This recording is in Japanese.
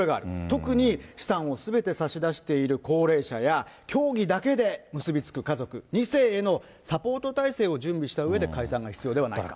特に資産をすべて差し出している高齢者や、教義だけで結び付く家族、２世へのサポート体制を準備したうえで解散が必要ではないか。